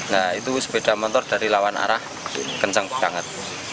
nah itu sepeda motor dari lawan arah kencang banget